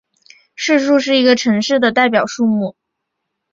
市树是一个城市的代表树木。